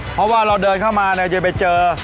เพราะว่าเราเดินเข้ามาเนี่ยจะไปเจอ